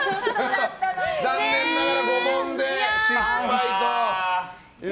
残念ながら５問で失敗。